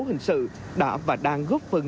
hình sự đã và đang góp phần